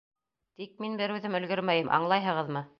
Тик мин бер үҙем өлгөрмәйем, аңлайһығыҙмы?